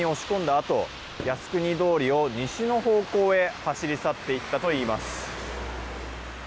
あと靖国通りを西の方向へ走り去っていったといいます。